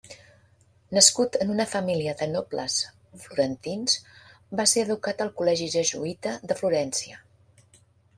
Nascut en una família de nobles florentins, va ser educat al col·legi jesuïta de Florència.